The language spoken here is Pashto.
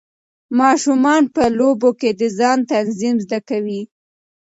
ماشومان په لوبو کې د ځان تنظیم زده کوي.